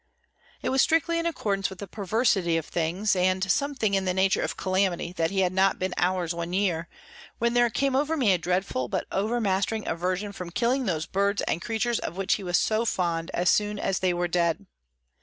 It was strictly in accordance with the perversity of things, and something in the nature of calamity that he had not been ours one year, when there came over me a dreadful but overmastering aversion from killing those birds and creatures of which he was so fond as soon as they were dead.